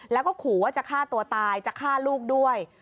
แล้วก็ขู่ว่าจะฆ่าตัวตายจะฆ่าลูกด้วย